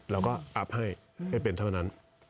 เราก็อัพให้ให้เป็นเท่านั้น